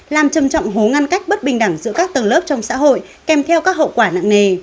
làm trầm trọng hố ngăn cách bất bình đẳng giữa các tầng lớp trong xã hội kèm theo các hậu quả nặng nề